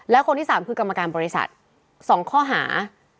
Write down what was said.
และคนที่๓คือกรรมการบริษัท๒ข้อหา